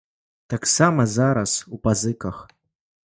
Таксама зараз у пазыках.